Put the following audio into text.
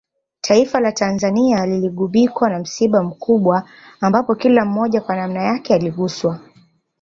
Taifa la Tanzania liligubikwa na msiba mkubwa ambapo kila mmoja kwa nanma yake aliguswa